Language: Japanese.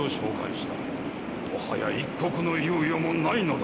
もはや一刻の猶予もないのだ。